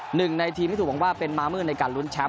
หนึ่งในทีมที่ถูกหวังว่าเป็นมามืดในการลุ้นแชมป์